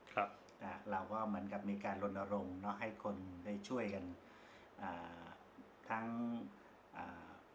ครับอ่าเราก็เหมือนกับมีการลนรงค์เนอะให้คนได้ช่วยกันอ่าทั้งอ่า